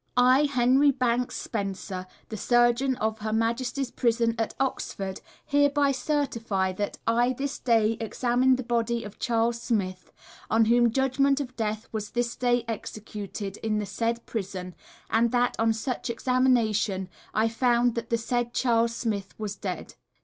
I, HENRY BANKS SPENCER, the Surgeon of Her Majesty's Prison at Oxford, hereby certify that I this day examined the body of Charles Smith, on whom judgement of death was this day executed in the said prison; and that, on such examination, I found that the said Charles Smith was dead.